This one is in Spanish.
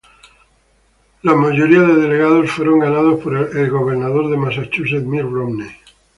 Una mayoría de delegados fueron ganados por el exgobernador de Massachusetts Mitt Romney.